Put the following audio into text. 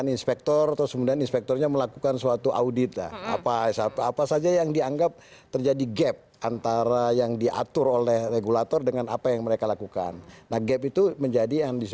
ispektor hasil dari operator negeri menunjukkan bahwa melakukan perbaikan